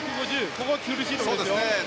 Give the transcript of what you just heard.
ここが苦しいところなんですよ。